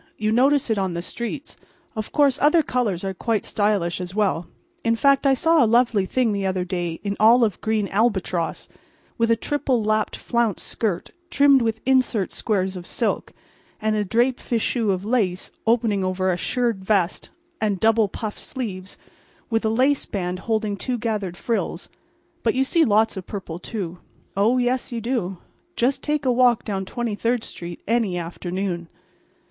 You notice it on the streets. Of course other colors are quite stylish as well—in fact, I saw a lovely thing the other day in olive green albatross, with a triple lapped flounce skirt trimmed with insert squares of silk, and a draped fichu of lace opening over a shirred vest and double puff sleeves with a lace band holding two gathered frills—but you see lots of purple too. Oh, yes, you do; just take a walk down Twenty third street any afternoon.